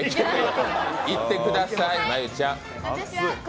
いってください、真悠ちゃん